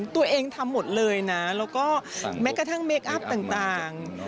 ตัวเองทำหมดเลยนะแล้วก็ทั้งดูผ้าต่าง